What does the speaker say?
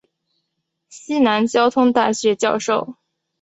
西南交通大学教授。